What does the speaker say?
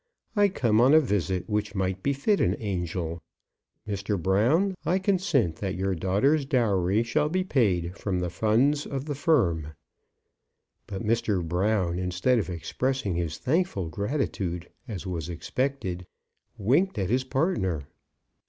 "I come on a visit which might befit an angel. Mr. Brown, I consent that your daughter's dowry shall be paid from the funds of the firm." But Mr. Brown, instead of expressing his thankful gratitude, as was expected, winked at his partner.